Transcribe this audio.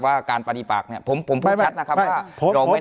ว่าการปฏิปักผมพูดชัดนะครับว่า